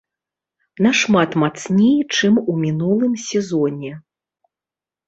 Нашмат мацней, чым у мінулым сезоне.